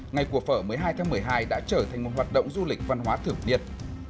ngày của phở một mươi hai tháng một mươi hai đã trở thành một hoạt động du lịch văn hóa thưởng niên